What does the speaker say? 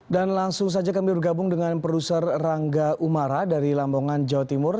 dan langsung saja kami bergabung dengan produser rangga umara dari lambongan jawa timur